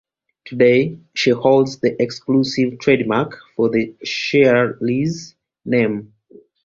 Today, she holds the exclusive trademark for The Shirelles' name.